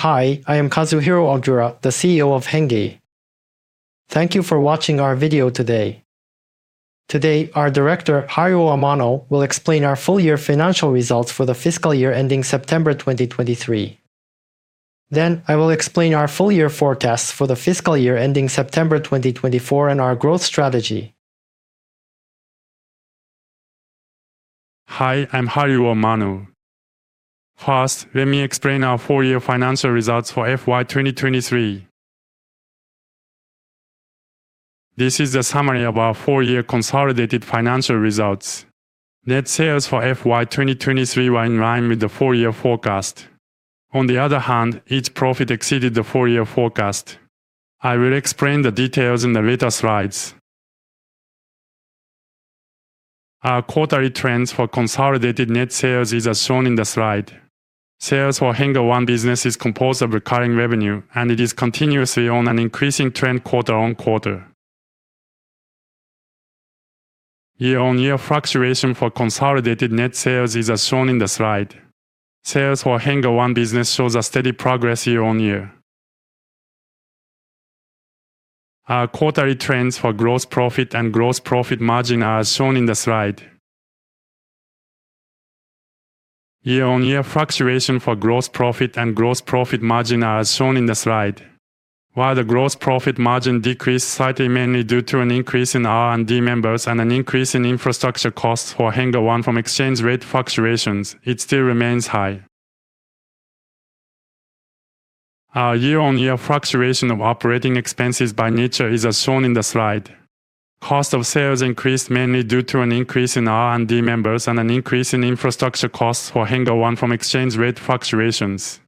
Hi, I am Kazuhiro Ogura, the CEO of HENNGE. Thank you for watching our video today. Today, our Director, Haruo Amano, will explain our full-year financial results for the fiscal year ending September 2023. Then, I will explain our full-year forecasts for the fiscal year ending September 2024 and our growth strategy. Hi, I'm Haruo Amano. First, let me explain our full-year financial results for FY 2023. This is a summary of our full-year consolidated financial results. Net sales for FY 2023 were in line with the full-year forecast. On the other hand, each profit exceeded the full-year forecast. I will explain the details in the later slides. Our quarterly trends for consolidated net sales is as shown in the slide. Sales for HENNGE One business is composed of recurring revenue, and it is continuously on an increasing trend quarter-on-quarter. Year-on-year fluctuation for consolidated net sales is as shown in the slide. Sales for HENNGE One business shows a steady progress year-on-year. Our quarterly trends for gross profit and gross profit margin are as shown in the slide. Year-on-year fluctuation for gross profit and gross profit margin are as shown in the slide. While the gross profit margin decreased slightly, mainly due to an increase in R&D members and an increase in infrastructure costs for HENNGE One from exchange rate fluctuations, it still remains high. Our year-on-year fluctuation of operating expenses by nature is as shown in the slide. Cost of sales increased mainly due to an increase in R&D members and an increase in infrastructure costs for HENNGE One from exchange rate fluctuations.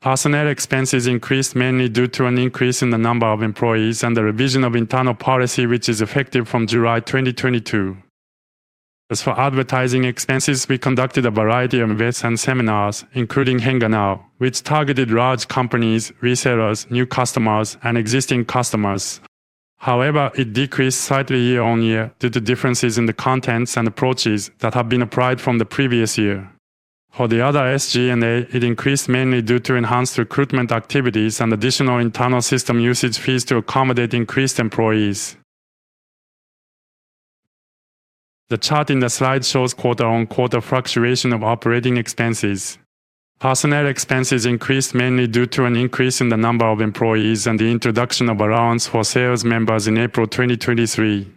Personnel expenses increased mainly due to an increase in the number of employees and the revision of internal policy, which is effective from July 2022. As for advertising expenses, we conducted a variety of events and seminars, including HENNGE Now, which targeted large companies, resellers, new customers, and existing customers. However, it decreased slightly year-on-year due to differences in the contents and approaches that have been applied from the previous year. For the other SG&A, it increased mainly due to enhanced recruitment activities and additional internal system usage fees to accommodate increased employees. The chart in the slide shows quarter-on-quarter fluctuation of operating expenses. Personnel expenses increased mainly due to an increase in the number of employees and the introduction of allowance for sales members in April 2023.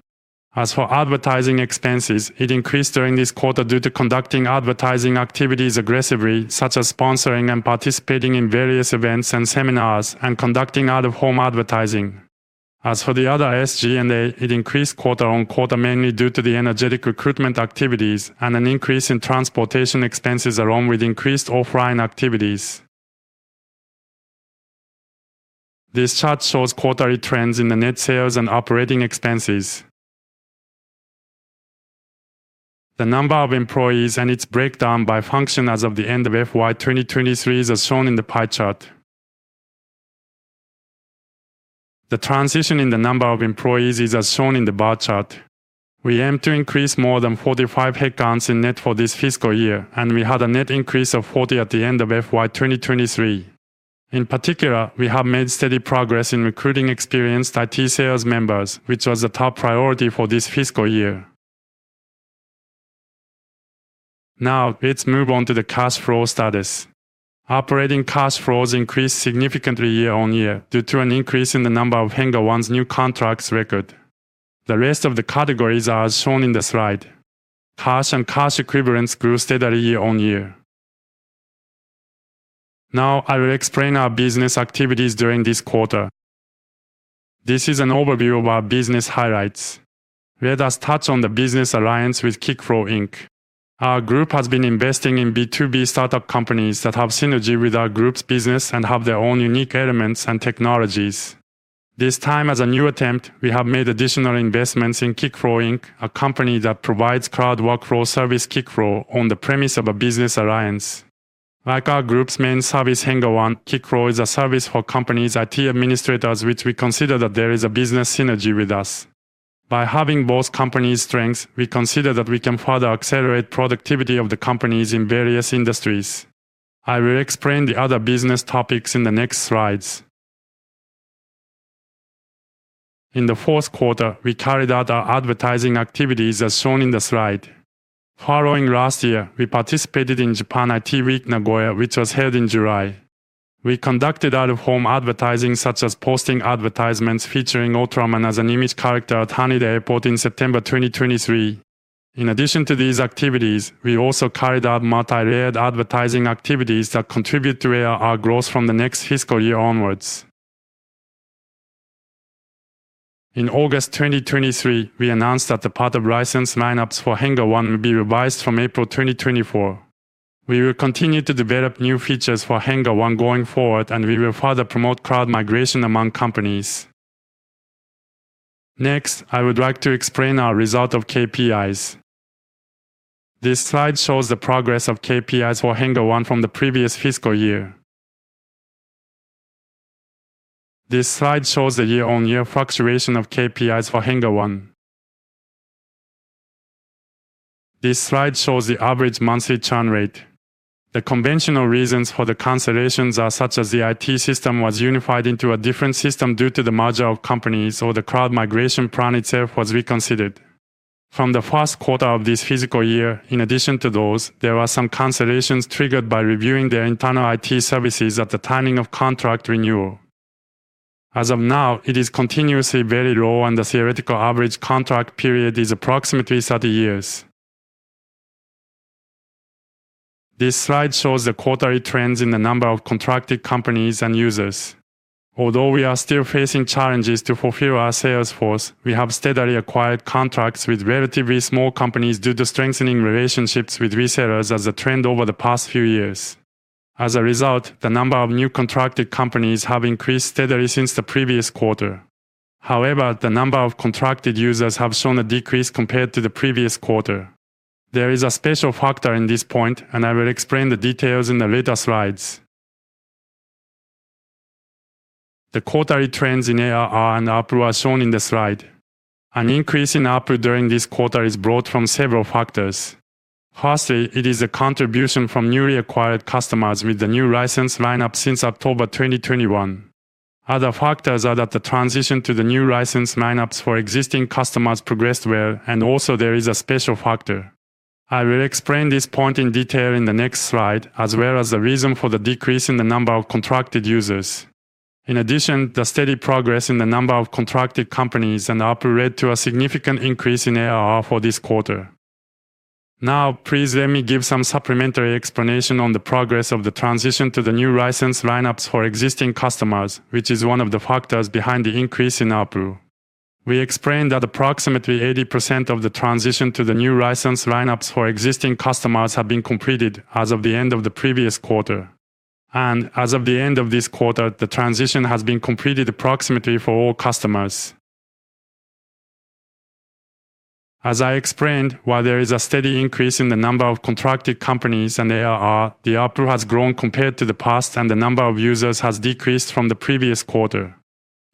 As for advertising expenses, it increased during this quarter due to conducting advertising activities aggressively, such as sponsoring and participating in various events and seminars and conducting out-of-home advertising. As for the other SG&A, it increased quarter-on-quarter, mainly due to the energetic recruitment activities and an increase in transportation expenses, along with increased offline activities. This chart shows quarterly trends in the net sales and operating expenses. The number of employees and its breakdown by function as of the end of FY 2023 is as shown in the pie chart. The transition in the number of employees is as shown in the bar chart. We aim to increase more than 45 headcounts in net for this fiscal year, and we had a net increase of 40 at the end of FY 2023. In particular, we have made steady progress in recruiting experienced IT sales members, which was a top priority for this fiscal year. Now, let's move on to the cash flow status. Operating cash flows increased significantly year-on-year due to an increase in the number of HENNGE One's new contracts record. The rest of the categories are as shown in the slide. Cash and cash equivalents grew steadily year-on-year. Now, I will explain our business activities during this quarter. This is an overview of our business highlights. Let us touch on the business alliance with kickflow, Inc. Our group has been investing in B2B startup companies that have synergy with our group's business and have their own unique elements and technologies. This time, as a new attempt, we have made additional investments in kickflow, Inc., a company that provides cloud workflow service, kickflow, on the premise of a business alliance. Like our group's main service, HENNGE One, kickflow is a service for companies, IT administrators, which we consider that there is a business synergy with us. By having both companies' strengths, we consider that we can further accelerate productivity of the companies in various industries. I will explain the other business topics in the next slides. In the fourth quarter, we carried out our advertising activities, as shown in the slide. Following last year, we participated in Japan IT Week Nagoya, which was held in July. We conducted out-of-home advertising, such as posting advertisements featuring Ultraman as an image character at Haneda Airport in September 2023. In addition to these activities, we also carried out multi-layered advertising activities that contribute to our, our growth from the next fiscal year onwards. In August 2023, we announced that the part of license lineups for HENNGE One will be revised from April 2024. We will continue to develop new features for HENNGE One going forward, and we will further promote cloud migration among companies. Next, I would like to explain our result of KPIs. This slide shows the progress of KPIs for HENNGE One from the previous fiscal year. This slide shows the year-on-year fluctuation of KPIs for HENNGE One.... This slide shows the average monthly churn rate. The conventional reasons for the cancellations are such as the IT system was unified into a different system due to the merger of companies, or the cloud migration plan itself was reconsidered. From the first quarter of this fiscal year, in addition to those, there are some cancellations triggered by reviewing their internal IT services at the timing of contract renewal. As of now, it is continuously very low, and the theoretical average contract period is approximately 30 years. This slide shows the quarterly trends in the number of contracted companies and users. Although we are still facing challenges to fulfill our sales force, we have steadily acquired contracts with relatively small companies due to strengthening relationships with resellers as a trend over the past few years. As a result, the number of new contracted companies have increased steadily since the previous quarter. However, the number of contracted users have shown a decrease compared to the previous quarter. There is a special factor in this point, and I will explain the details in the later slides. The quarterly trends in ARR and ARPU are shown in the slide. An increase in ARPU during this quarter is brought from several factors. Firstly, it is a contribution from newly acquired customers with the new license lineup since October 2021. Other factors are that the transition to the new license lineups for existing customers progressed well, and also there is a special factor. I will explain this point in detail in the next slide, as well as the reason for the decrease in the number of contracted users. In addition, the steady progress in the number of contracted companies and ARPU led to a significant increase in ARR for this quarter. Now, please let me give some supplementary explanation on the progress of the transition to the new license lineups for existing customers, which is one of the factors behind the increase in ARPU. We explained that approximately 80% of the transition to the new license lineups for existing customers have been completed as of the end of the previous quarter. As of the end of this quarter, the transition has been completed approximately for all customers. As I explained, while there is a steady increase in the number of contracted companies and ARR, the ARPU has grown compared to the past, and the number of users has decreased from the previous quarter.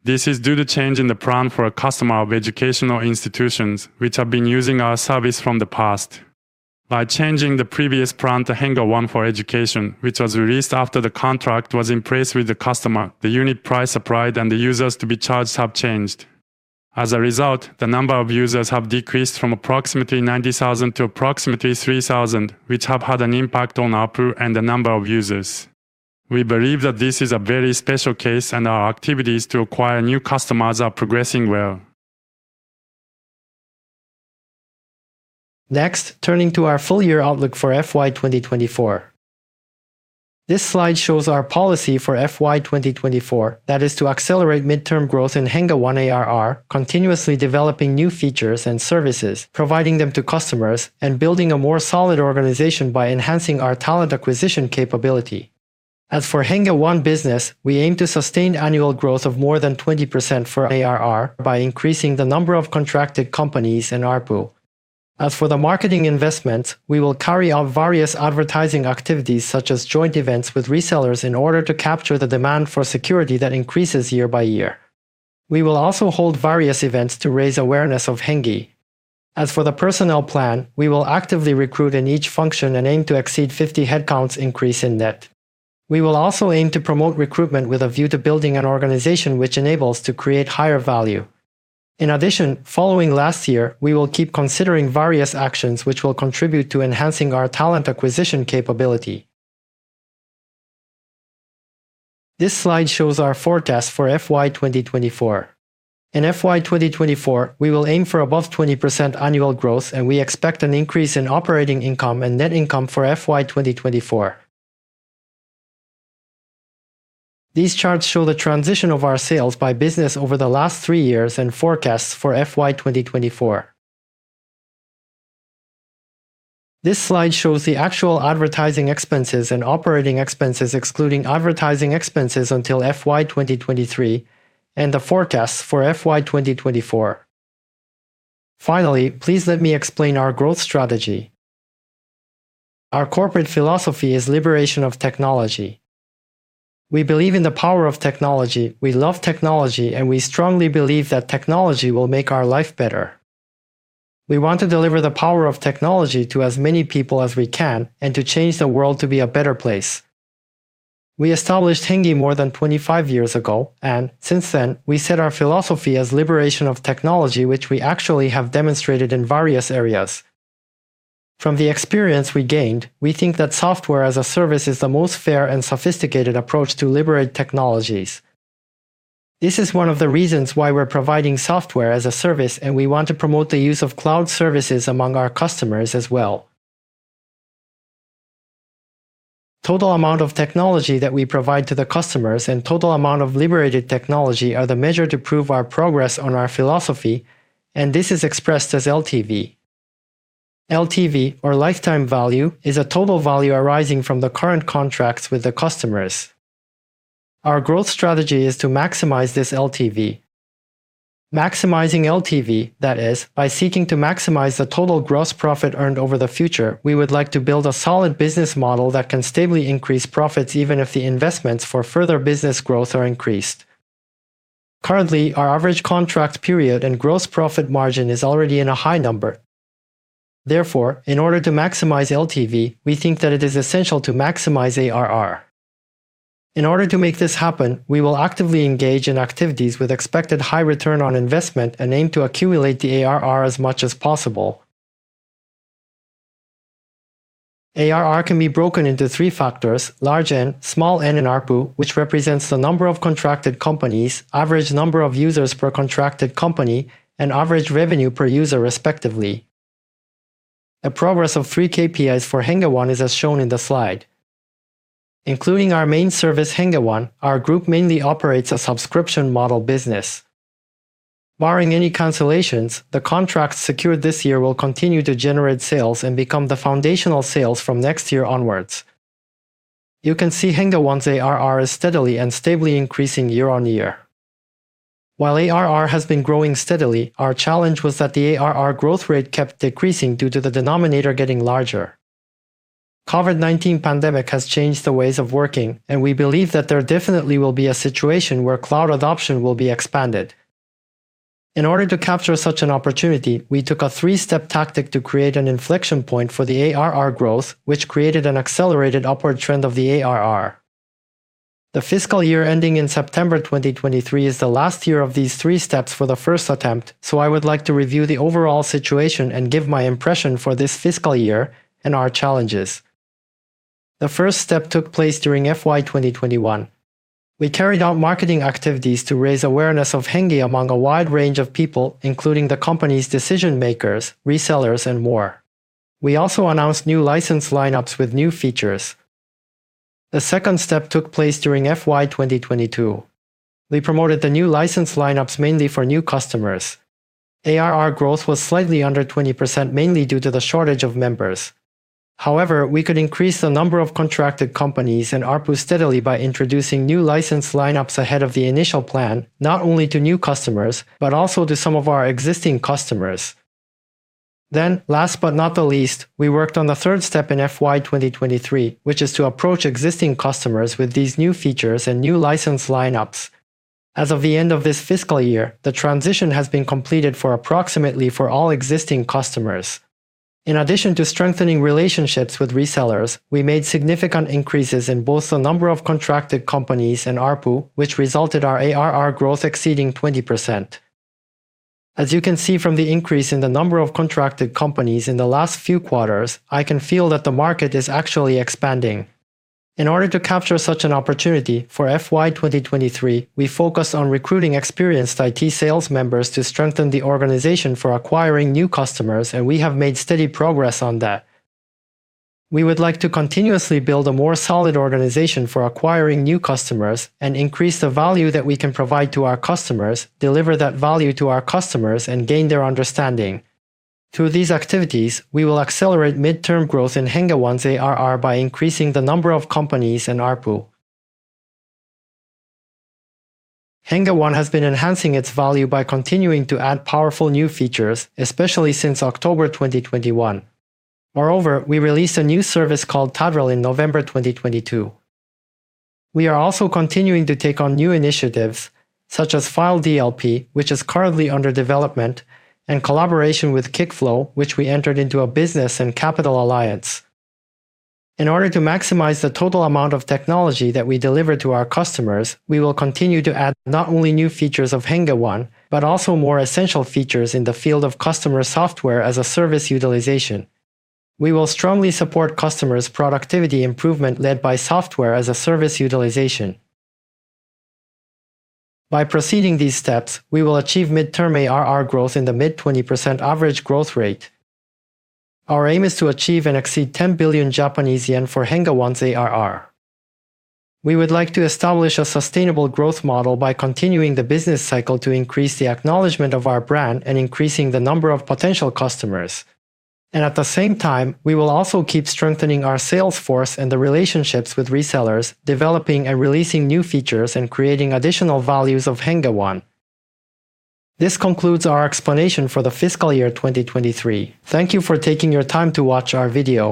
This is due to change in the plan for a customer of educational institutions, which have been using our service from the past. By changing the previous plan to HENNGE One for Education, which was released after the contract was in place with the customer, the unit price applied and the users to be charged have changed. As a result, the number of users have decreased from approximately 90,000 to approximately 3,000, which have had an impact on ARPU and the number of users. We believe that this is a very special case, and our activities to acquire new customers are progressing well. Next, turning to our full-year outlook for FY 2024. This slide shows our policy for FY 2024, that is to accelerate midterm growth in HENNGE One ARR, continuously developing new features and services, providing them to customers, and building a more solid organization by enhancing our talent acquisition capability. As for HENNGE One business, we aim to sustain annual growth of more than 20% for ARR by increasing the number of contracted companies and ARPU. As for the marketing investments, we will carry out various advertising activities, such as joint events with resellers, in order to capture the demand for security that increases year by year. We will also hold various events to raise awareness of HENNGE. As for the personnel plan, we will actively recruit in each function and aim to exceed 50 headcounts increase in net. We will also aim to promote recruitment with a view to building an organization which enables to create higher value. In addition, following last year, we will keep considering various actions which will contribute to enhancing our talent acquisition capability. This slide shows our forecast for FY 2024. In FY 2024, we will aim for above 20% annual growth, and we expect an increase in operating income and net income for FY 2024. These charts show the transition of our sales by business over the last three years and forecasts for FY 2024. This slide shows the actual advertising expenses and operating expenses, excluding advertising expenses until FY 2023, and the forecast for FY 2024. Finally, please let me explain our growth strategy. Our corporate philosophy is Liberation of Technology. We believe in the power of technology, we love technology, and we strongly believe that technology will make our life better. We want to deliver the power of technology to as many people as we can and to change the world to be a better place. We established HENNGE more than 25 years ago, and since then, we set our philosophy as Liberation of Technology, which we actually have demonstrated in various areas. From the experience we gained, we think that software as a service is the most fair and sophisticated approach to liberate technologies. This is one of the reasons why we're providing software as a service, and we want to promote the use of cloud services among our customers as well. Total amount of technology that we provide to the customers and total amount of liberated technology are the measure to prove our progress on our philosophy, and this is expressed as LTV. LTV or lifetime value is a total value arising from the current contracts with the customers. Our growth strategy is to maximize this LTV. Maximizing LTV, that is, by seeking to maximize the total gross profit earned over the future, we would like to build a solid business model that can stably increase profits, even if the investments for further business growth are increased.... Currently, our average contract period and gross profit margin is already in a high number. Therefore, in order to maximize LTV, we think that it is essential to maximize ARR. In order to make this happen, we will actively engage in activities with expected high return on investment and aim to accumulate the ARR as much as possible. ARR can be broken into three factors: large N, small n, and ARPU, which represents the number of contracted companies, average number of users per contracted company, and average revenue per user, respectively. The progress of three KPIs for HENNGE One is as shown in the slide. Including our main service, HENNGE One, our group mainly operates a subscription model business. Barring any cancellations, the contracts secured this year will continue to generate sales and become the foundational sales from next year onwards. You can see HENNGE One's ARR is steadily and stably increasing year-over-year. While ARR has been growing steadily, our challenge was that the ARR growth rate kept decreasing due to the denominator getting larger. COVID-19 pandemic has changed the ways of working, and we believe that there definitely will be a situation where cloud adoption will be expanded. In order to capture such an opportunity, we took a three-step tactic to create an inflection point for the ARR growth, which created an accelerated upward trend of the ARR. The fiscal year ending in September 2023 is the last year of these three steps for the first attempt, so I would like to review the overall situation and give my impression for this fiscal year and our challenges. The first step took place during FY 2021. We carried out marketing activities to raise awareness of HENNGE among a wide range of people, including the company's decision-makers, resellers, and more. We also announced new license lineups with new features. The second step took place during FY 2022. We promoted the new license lineups mainly for new customers. ARR growth was slightly under 20%, mainly due to the shortage of members. However, we could increase the number of contracted companies and ARPU steadily by introducing new license lineups ahead of the initial plan, not only to new customers, but also to some of our existing customers. Then, last but not the least, we worked on the third step in FY 2023, which is to approach existing customers with these new features and new license lineups. As of the end of this fiscal year, the transition has been completed for approximately all existing customers. In addition to strengthening relationships with resellers, we made significant increases in both the number of contracted companies and ARPU, which resulted our ARR growth exceeding 20%. As you can see from the increase in the number of contracted companies in the last few quarters, I can feel that the market is actually expanding. In order to capture such an opportunity, for FY 2023, we focused on recruiting experienced IT sales members to strengthen the organization for acquiring new customers, and we have made steady progress on that. We would like to continuously build a more solid organization for acquiring new customers and increase the value that we can provide to our customers, deliver that value to our customers, and gain their understanding. Through these activities, we will accelerate mid-term growth in HENNGE One's ARR by increasing the number of companies and ARPU. HENNGE One has been enhancing its value by continuing to add powerful new features, especially since October 2021. Moreover, we released a new service called Tadrill in November 2022. We are also continuing to take on new initiatives, such as File DLP, which is currently under development, and collaboration with kickflow, which we entered into a business and capital alliance. In order to maximize the total amount of technology that we deliver to our customers, we will continue to add not only new features of HENNGE One, but also more essential features in the field of customer software as a service utilization. We will strongly support customers' productivity improvement led by software as a service utilization. By proceeding these steps, we will achieve mid-term ARR growth in the mid-20% average growth rate. Our aim is to achieve and exceed 10 billion Japanese yen for HENNGE One's ARR. We would like to establish a sustainable growth model by continuing the business cycle to increase the acknowledgment of our brand and increasing the number of potential customers. At the same time, we will also keep strengthening our sales force and the relationships with resellers, developing and releasing new features, and creating additional values of HENNGE One. This concludes our explanation for the fiscal year 2023. Thank you for taking your time to watch our video.